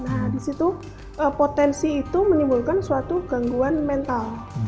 nah di situ potensi itu menimbulkan suatu gangguan mental